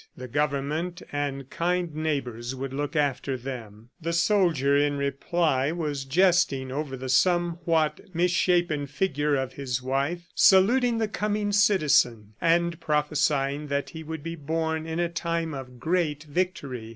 The government and kind neighbors would look after them. The soldier in reply was jesting over the somewhat misshapen figure of his wife, saluting the coming citizen, and prophesying that he would be born in a time of great victory.